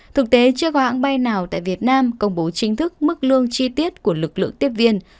thực tế trước hãng bay nào tại việt nam công bố chính thức mức lương chi tiết của lực lượng tiếp viên